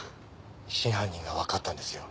真犯人がわかったんですよ。